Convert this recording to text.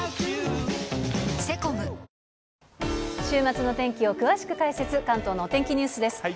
週末の天気を詳しく解説、関東のお天気ニュースです。